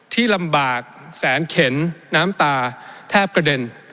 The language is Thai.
ที่ลำบากแสนเข็นน้ำตาแทบกระเด็น